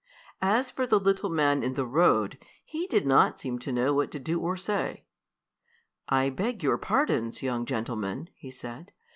As for the little man in the road, he did not seem to know what to do or say. "I beg your pardons, young gentlemen," he said.